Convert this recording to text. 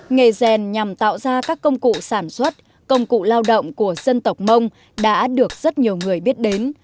nghề rèn nhằm tạo ra các công cụ sản xuất công cụ lao động của dân tộc mông đã được rất nhiều người biết đến